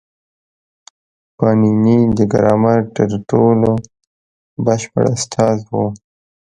پاڼيڼى د ګرامر تر ټولو بشپړ استاد وو.